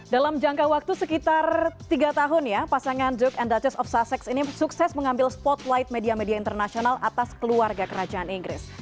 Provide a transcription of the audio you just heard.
dalam jangka waktu sekitar tiga tahun ya pasangan duke and duchest of sussex ini sukses mengambil spotlight media media internasional atas keluarga kerajaan inggris